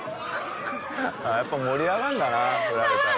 やっぱ盛り上がるんだな振られたら。